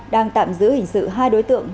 đang tạm giữ hình sự hai đối tượng